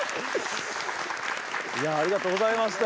いやありがとうございました。